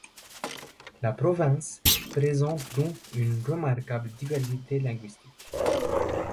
La province présente donc une remarquable diversité linguistique.